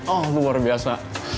oh luar biasa